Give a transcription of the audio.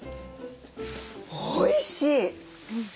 おいしい！